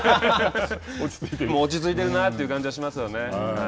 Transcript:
落ち着いているなという感じがしますよね。